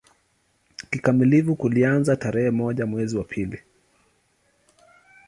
Kikamilifu kilianza tarehe moja mwezi wa pili